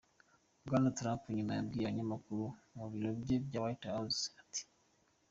Bwana Trump nyuma yabwiye abanyamakuru mu biro bye bya White House ati:.